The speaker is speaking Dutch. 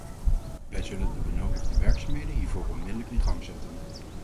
Wij zullen de benodigde werkzaamheden hiervoor onmiddellijk in gang zetten.